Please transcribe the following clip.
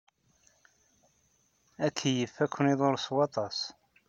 Akeyyef ad ken-iḍurr s waṭas.